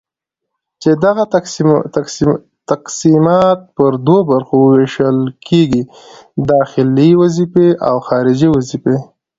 چي دغه تقسيمات پر دوو برخو ويشل کيږي:داخلي وظيفي او خارجي وظيفي